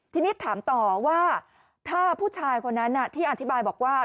ทีนี้ถามต่อว่าถ้าผู้ชายคนนั้นที่อธิบายบอกว่า